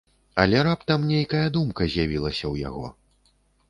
Але раптам нейкая думка з'явілася ў яго.